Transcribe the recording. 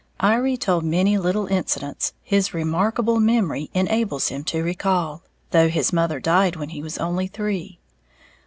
Iry told many little incidents his remarkable memory enables him to recall, though his mother died when he was only three.